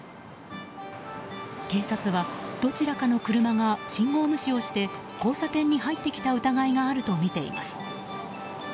警察はどちらかの車が信号無視をして交差点に入ってきた疑いがあるとみています。